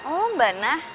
oh mba nah